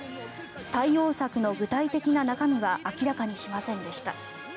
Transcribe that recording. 対応策の具体的な中身は明らかにしませんでした。